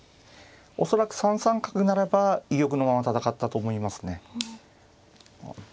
恐らく３三角ならば居玉のまま戦ったと思いますね。